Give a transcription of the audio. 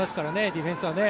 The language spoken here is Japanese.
ディフェンスはね。